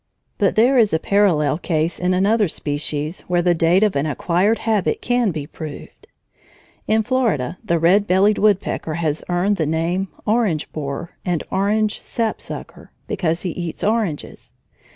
But there is a parallel case in another species where the date of an acquired habit can be proved. In Florida the red bellied woodpecker has earned the names Orange Borer and Orange Sapsucker because he eats oranges.